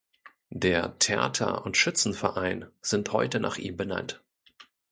Der Theater- und Schützenverein sind heute nach ihm benannt.